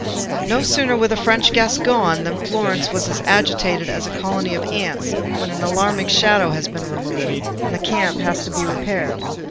No sooner were the French guests gone than Florence was as agitated as a colony of ants when an alarming shadow has been removed, and the camp has to be repaired.